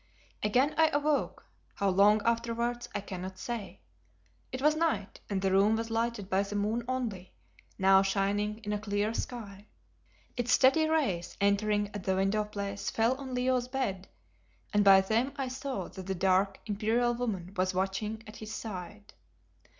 Again I awoke, how long afterwards I cannot say. It was night, and the room was lighted by the moon only, now shining in a clear sky. Its steady rays entering at the window place fell on Leo's bed, and by them I saw that the dark, imperial woman was watching at his side.